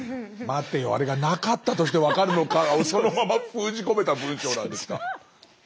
待てよあれがなかったとして分かるのかをそのまま封じ込めた文章なんですか。